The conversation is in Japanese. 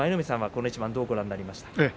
この一番どうご覧になりましたか。